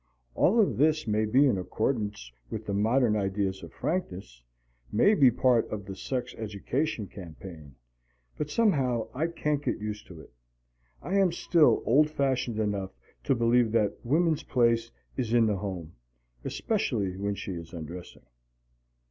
All of this may be in accordance with the modern ideas of frankness, may be part of the sex education campaign but somehow I can't get used to it. I am still old fashioned enough to believe that woman's place is in the home, especially when she is undressing.